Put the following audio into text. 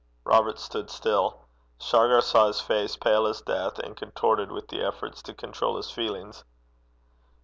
Robert stood still. Shargar saw his face pale as death, and contorted with the effort to control his feelings.